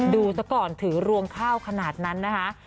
ดูสักก่อนถือรวมเข้าขนาดนั้นนะคะ